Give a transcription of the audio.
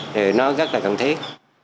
thì nó rất là cần thiết